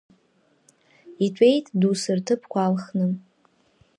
Итәеит доусы рҭыԥқәа алхны.